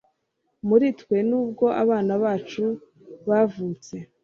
muri twe (nubwo abana bacu bavutse